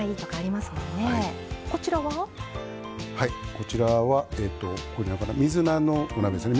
こちらは水菜のお鍋ですね。